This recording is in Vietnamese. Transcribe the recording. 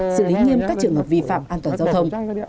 xử lý nghiêm các trường hợp vi phạm an toàn giao thông